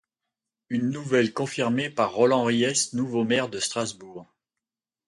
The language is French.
Une nouvelle confirmée par Roland Ries, nouveau maire de Strasbourg.